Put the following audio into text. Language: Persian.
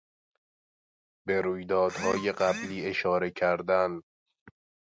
به رویدادهای قبلی اشاره کردن